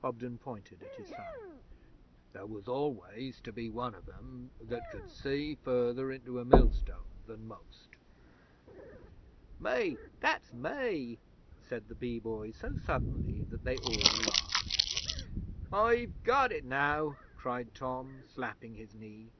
Hobden pointed at his son. 'There was always to be one of 'em that could see further into a millstone than most.' 'Me! That's me!' said the Bee Boy so suddenly that they all laughed. 'I've got it now!' cried Tom, slapping his knee.